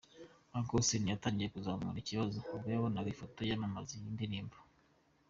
Uncle Austin yatangiye kuzamura ikibazo ubwo yabonaga ifoto yamamaza iyi ndirimbo.